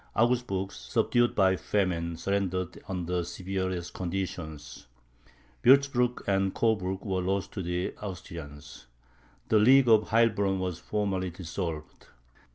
Augsburg, subdued by famine, surrendered under the severest conditions; Wurtzburg and Coburg were lost to the Austrians. The League of Heilbronn was formally dissolved.